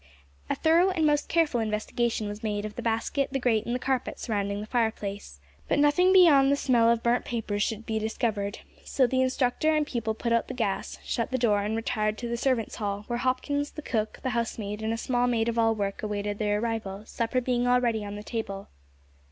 A thorough and most careful investigation was made of the basket, the grate, and the carpet surrounding the fireplace, but nothing beyond the smell of the burnt papers could be discovered, so the instructor and pupil put out the gas, shut the door, and retired to the servants' hall, where Hopkins, the cook, the housemaid, and a small maid of all work awaited their arrival supper being already on the table.